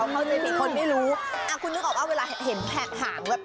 เขาเข้าใจผิดคนไม่รู้คุณนึกออกว่าเวลาเห็นแผลกห่างแวบอ่ะ